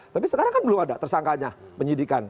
tapi sekarang kan belum ada tersangkanya penyidikan